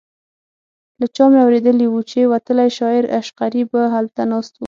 له چا مې اورېدي وو چې وتلی شاعر عشقري به هلته ناست و.